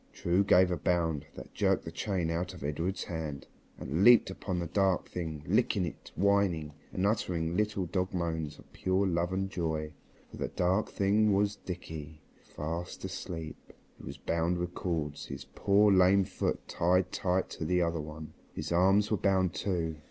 True gave a bound that jerked the chain out of Edred's hand, and leaped upon the dark thing, licking it, whining, and uttering little dog moans of pure love and joy. For the dark something was Dickie, fast asleep. He was bound with cords, his poor lame foot tied tight to the other one. His arms were bound too.